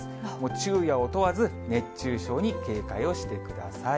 昼夜を問わず、熱中症に警戒をしてください。